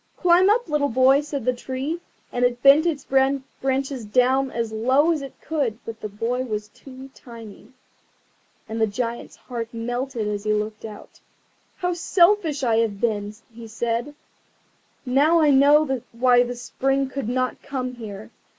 "Climb up! little boy," said the Tree, and it bent its branches down as low as it could; but the boy was too tiny. And the Giant's heart melted as he looked out. "How selfish I have been!" he said; "now I know why the Spring would not come here.